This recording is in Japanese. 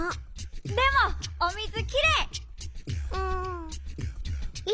でもおみずきれい！